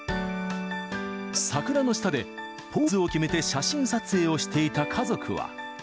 桜の下でポーズを決めて写真撮影をしていた家族は。